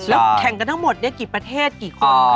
แล้วแข่งกันทั้งหมดกี่ประเทศกี่คน